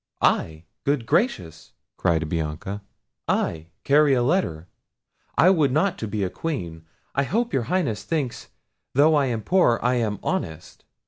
"I! good gracious!" cried Bianca; "I carry a letter? I would not to be a Queen. I hope your Highness thinks, though I am poor, I am honest.